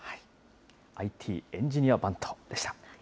ＩＴエンジニア番頭でした。